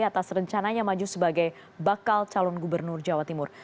atas rencananya maju sebagai bakal calon gubernur jawa timur